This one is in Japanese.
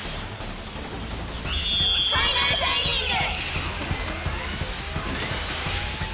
ファイナルシャイニング！